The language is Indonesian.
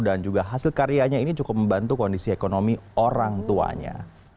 dan juga hasil karyanya ini cukup membantu kondisi ekonomi orang tuanya